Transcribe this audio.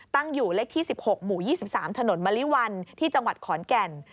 ตั้งอยู่เลขที่๑๖หมู่๒๓ถนนมะลิวันที่จังหวัดขอนแก่น